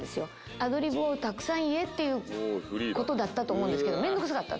アドリブをたくさん言えっていう事だったと思うんですけど面倒くさかった。